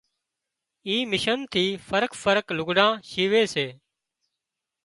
اي مشين ٿي فرق فرق لگھڙان شيوي سي